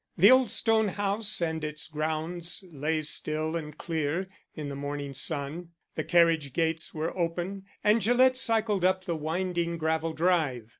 The old stone house and its grounds lay still and clear in the morning sun. The carriage gates were open and Gillett cycled up the winding gravel drive.